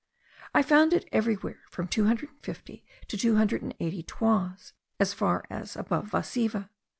I found it everywhere from two hundred and fifty to two hundred and eighty toises, as far as above Vasiva.